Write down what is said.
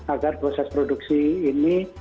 agar proses produksi ini